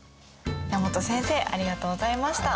山本先生ありがとうございました。